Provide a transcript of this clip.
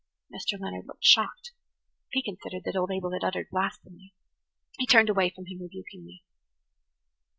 Mr. Leonard looked shocked; he considered that old Abel had uttered blasphemy. He turned away from him rebukingly.